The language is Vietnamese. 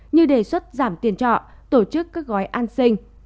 như đề xuất giảm tiền trọ tổ chức các gói an sinh